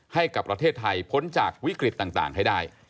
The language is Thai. ให้กับประเทศไทยพ้นจากวิกฤตต่างให้ได้